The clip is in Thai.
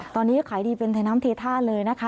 ตอนนี้ขายดีเป็นธนามเทธาเลยนะคะ